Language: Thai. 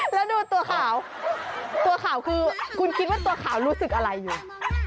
แล้วดูตัวขาวตัวขาวคือคุณคิดว่าตัวขาวรู้สึกอะไรอยู่